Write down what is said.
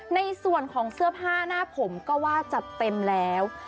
ในส่วนของเสื้อผ้าหน้าผมก็ว่าจัดเต็มแล้ว